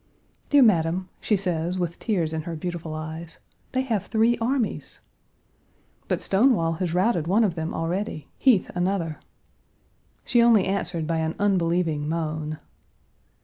"Dear madam," she says, with tears in her beautiful eyes, "they have three armies." "But Stonewall has routed one of them already. Heath another." She only answered by an unbelieving moan.